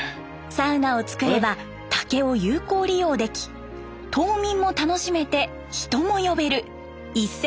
サウナを造れば竹を有効利用でき島民も楽しめて人も呼べる一石三鳥。